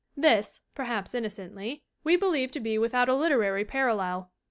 This, perhaps innocently, we believe to be without a literary parallel.